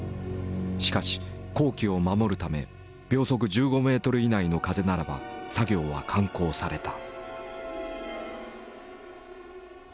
しかし工期を守るため秒速１５ｍ以内の風ならば作業は敢行された。